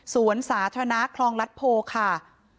สวนสาธารณะคลองรัฐโพค่ะ